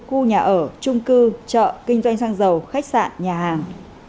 khu nhà ở trung cư chợ kinh doanh sang giàu khách sạn nhà hàng